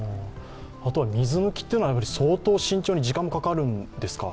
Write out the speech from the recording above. あとは水抜きというのは相当慎重に時間もかかるんですか？